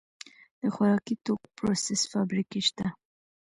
د خوراکي توکو پروسس فابریکې شته